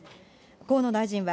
河野大臣は、